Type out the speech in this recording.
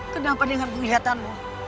kenapa dengan kelihatanmu